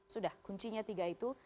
sudah kuncinya tiga itu